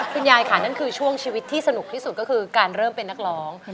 คุณยายค่ะนั่นคือช่วงชีวิตที่สนุกที่สุดก็คือการเริ่มเป็นนักร้อง